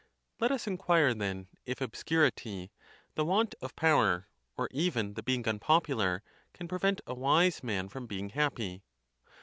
Let us inquire, then, if obscurity, the want of power, or even the. being unpopular, can prevent a wise man from being happy.